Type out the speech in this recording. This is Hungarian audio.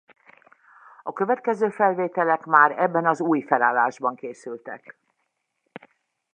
A következő felvételek már ebben az új felállásban készültek.